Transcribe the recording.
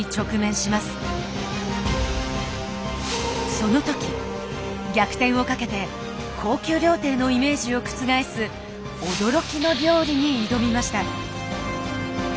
その時逆転をかけて高級料亭のイメージを覆す驚きの料理に挑みました。